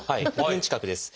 ２分近くです。